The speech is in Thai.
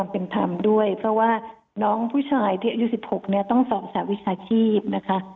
เป็นธรรมด้วยเพราะว่าน้องผู้ชายที่อายุ๑๖เนี่ยต้องสอนสหวิชาชีพนะคะ